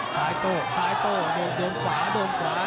ซ้ายโต้ซ้ายโต้โดนขวาโดนขวานั่นมา